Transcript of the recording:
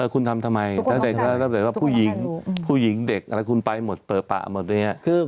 คุณทำทำไมว่าผู้หญิงผู้หญิงเด็กอะไรคุณไปหมดเผาประใหม่